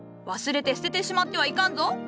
忘れて捨ててしまってはいかんぞ。